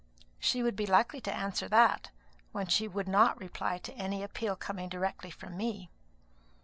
She would be likely to answer that, when she would not reply to any appeal coming directly from me."